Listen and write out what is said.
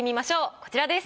こちらです。